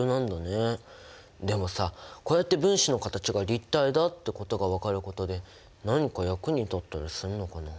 でもさこうやって分子の形が立体だってことが分かることで何か役に立ったりするのかな？